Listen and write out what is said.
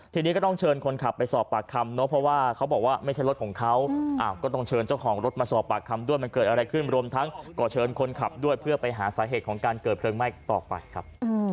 ทีนี้ก็ต้องเชิญคนขับไปสอบปากคำเนอะเพราะว่าเขาบอกว่าไม่ใช่รถของเขาก็ต้องเชิญเจ้าของรถมาสอบปากคำด้วยมันเกิดอะไรขึ้นรวมทั้งก็เชิญคนขับด้วยเพื่อไปหาสาเหตุของการเกิดเพลิงไหม้ต่อไปครับ